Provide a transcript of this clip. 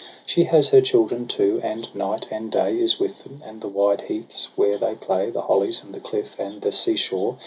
She has her children, too, and night and day Is with them; and the wide heaths where they play. The hollies, and the cliff, and the sea shore.